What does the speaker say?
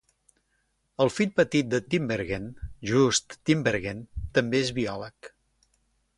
El fill petit de Tinbergen, Joost Tinbergen, també és biòleg.